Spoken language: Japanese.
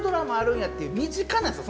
身近なんですよ